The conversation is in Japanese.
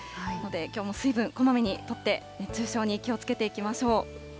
きょうも水分、こまめにとって熱中症に気をつけていきましょう。